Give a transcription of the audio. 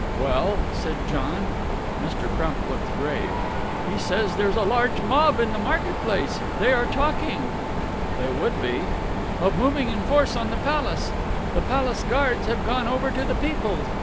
"Well?" said John. Mr. Crump looked grave. "He says there is a large mob in the market place. They are talking " "They would be!" " of moving in force on the Palace. The Palace Guards have gone over to the people.